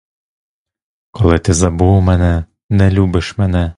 Коли ти забув мене, не любиш мене!